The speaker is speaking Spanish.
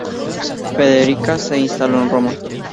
Federica se instaló en Roma.